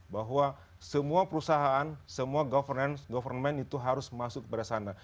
bahwa semua perusahaan semua governance government itu harus masuk kepada sana